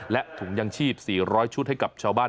และถุงยังชีพ๔๐๐ชุดให้กับชาวบ้าน